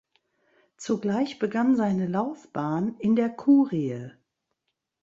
Zugleich begann seine Laufbahn in der Kurie.